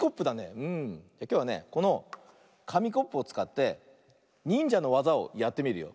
きょうはねこのかみコップをつかってにんじゃのわざをやってみるよ。